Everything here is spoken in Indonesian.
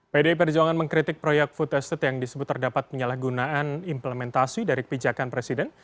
pdi perjuangan mengkritik proyek food estate yang disebut terdapat penyalahgunaan implementasi dari pijakan presiden